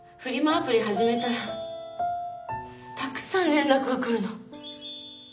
アプリ始めたらたくさん連絡が来るの。